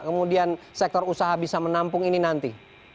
kemudian sektor usaha bisa menampung ini nanti